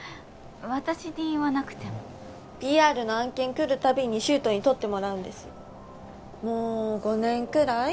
私に言わなくてもＰＲの案件来る度に柊人に撮ってもらうんですもう５年くらい？